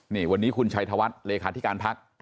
นี่วันนี้คุณชัยธวัฒน์เลขาธิการพัก